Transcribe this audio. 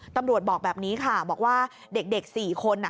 ตำรวจบอกแบบนี้ค่ะบอกว่าเด็ก๔คน